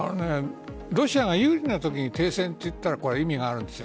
ロシアが有利なときに停戦と言ったら意味があるんですよ。